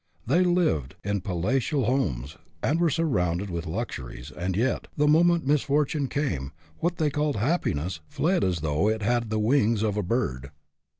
They lived in palatial homes and were surrounded with luxuries, and yet, the moment misfortune came, what they called " happiness " fled as though it had the wings of a bird.